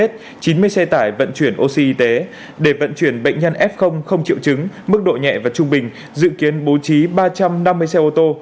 để vận chuyển bệnh nhân f không triệu chứng mức độ nhẹ và trung bình dự kiến bố trí ba trăm năm mươi xe ô tô